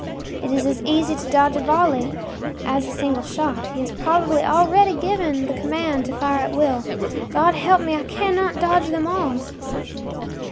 It is as easy to dodge a volley as a single shot. He has probably already given the command to fire at will. God help me, I cannot dodge them all!